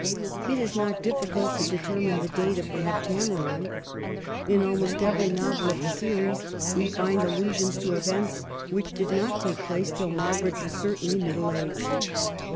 It is not difficult to determine the date of the " Heptameron." In almost every novel of the series we find allusions to events which did not take place till Margaret was certainly middle aged.